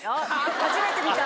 初めて見た。